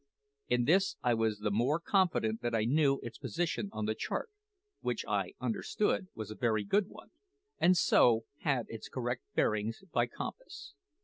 In this I was the more confident that I knew its position on the chart which, I understood, was a very good one and so had its correct bearings by compass.